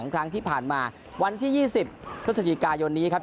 ครั้งที่ผ่านมาวันที่๒๐พฤศจิกายนนี้ครับ